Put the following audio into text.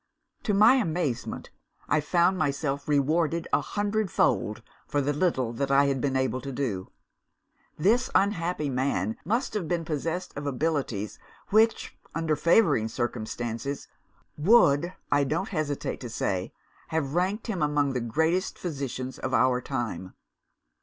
"To my amazement, I found myself rewarded a hundredfold for the little that I had been able to do. This unhappy man must have been possessed of abilities which (under favouring circumstances) would, I don't hesitate to say, have ranked him among the greatest physicians of our time.